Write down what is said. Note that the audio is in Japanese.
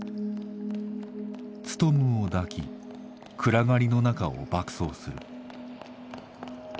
ツトムを抱き暗がりの中を爆走する。